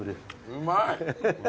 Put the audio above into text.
うまい！